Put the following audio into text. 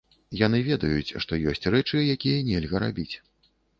Яны ведаюць, што ёсць рэчы, якія нельга рабіць.